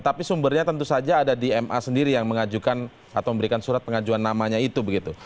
tapi sumbernya tentu saja ada di ma sendiri yang mengajukan atau memberikan surat pengajuan namanya itu begitu